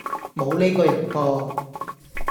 無呢個人噃